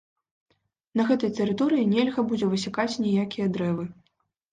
На гэтай тэрыторыі нельга будзе высякаць ніякія дрэвы.